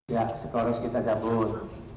ya sekolah kita cabut